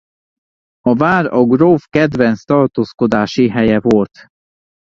A vár a gróf kedvenc tartózkodási helye volt.